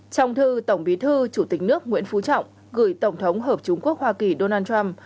trong thư tổng bí thư chủ tịch nước nguyễn phú trọng gửi tổng thống hợp chúng quốc hoa kỳ donald trump